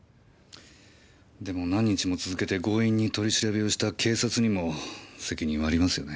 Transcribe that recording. でも何日も続けて強引に取り調べをした警察にも責任はありますよね。